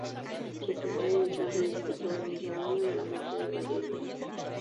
Su primera edición se disputó el mismo año de la muerte de Ballerini.